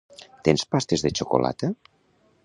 Tens pastes de xocolata?